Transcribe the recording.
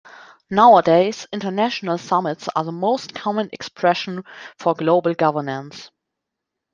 Nowadays, international summits are the most common expression for global governance.